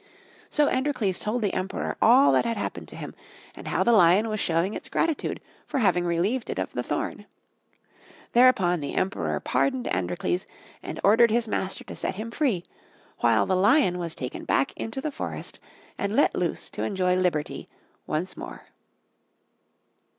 So Androcles told the Emperor all that had happened to him and how the lion was showing its gratitude for his having relieved it of the thorn. Thereupon the Emperor pardoned Androcles and ordered his master to set him free, while the lion was taken back into the forest and let loose to enjoy liberty once more.